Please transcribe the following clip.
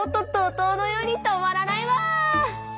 とうのように止まらないわ！